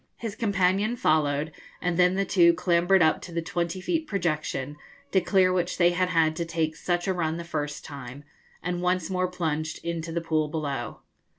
His companion followed, and then the two clambered up to the twenty feet projection, to clear which they had had to take such a run the first time, and once more plunged into the pool below.